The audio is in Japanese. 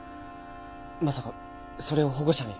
まさかそれを保護者に。